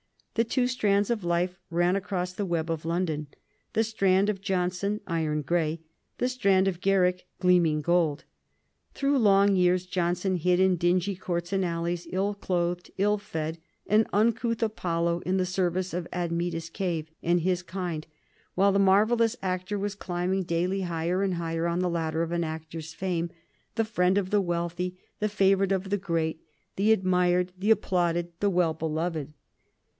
The two strands of life ran across the web of London, the strand of Johnson iron gray, the strand of Garrick gleaming gold. Through long years Johnson hid in dingy courts and alleys, ill clothed, ill fed, an uncouth Apollo in the service of Admetus Cave and his kind, while the marvellous actor was climbing daily higher and higher on the ladder of an actor's fame, the friend of the wealthy, the favored of the great, the admired, the applauded, the well beloved.